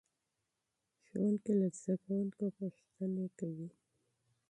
ښوونکی له زده کوونکو پوښتنې کوي.